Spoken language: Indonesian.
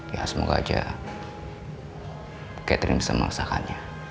ya semoga aja catherine bisa mengesahkannya